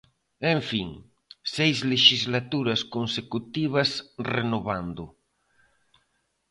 En fin, seis lexislaturas consecutivas renovando.